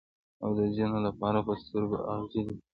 او د ځینو لپاره په سترګو کې اغزی دی.